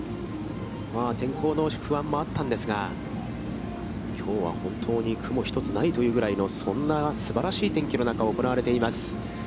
天候の不安もあったんですが、きょうは本当に雲ひとつないというぐらいのそんなすばらしい天気の中、行われています。